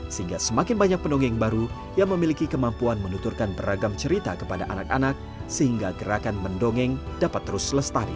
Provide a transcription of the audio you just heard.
sehingga semakin banyak pendongeng baru yang memiliki kemampuan menuturkan beragam cerita kepada anak anak sehingga gerakan mendongeng dapat terus lestari